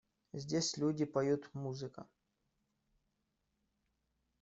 Здесь люди поют… музыка.